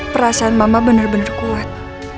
perasaan mama bener bener kuat